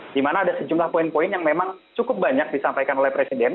di mana ada sejumlah poin poin yang memang cukup banyak disampaikan oleh presiden